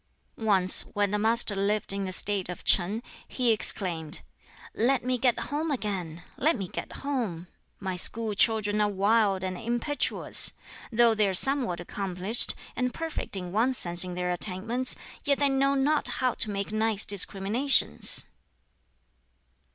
Once, when the Master lived in the State of Ch'in, he exclaimed, "Let me get home again! Let me get home! My school children are wild and impetuous! Though they are somewhat accomplished, and perfect in one sense in their attainments, yet they know not how to make nice discriminations."